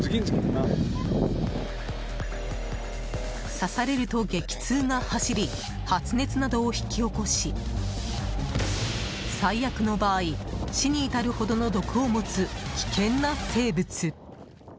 刺されると、激痛が走り発熱などを引き起こし最悪の場合、死に至るほどの毒を持つ危険な生物。